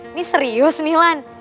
ini serius nih lan